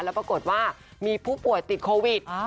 แล้วปรากฏว่ามีผู้ป่วยติดโควิด